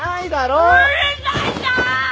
うるさいな！